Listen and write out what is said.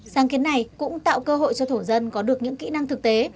sáng kiến này cũng tạo cơ hội cho thổ dân có được những kỹ năng thực tế